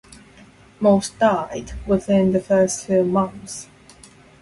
Most died within the first few months.